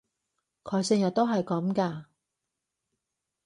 佢成日都係噉㗎？